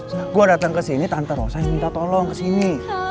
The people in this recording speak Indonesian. sejak gue datang kesini tante rosa yang minta tolong kesini